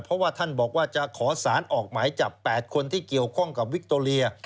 เพราะว่าท่านบอกว่าจะขอสารออกหมายจับ๘คนที่เกี่ยวข้องกับวิคโตเรีย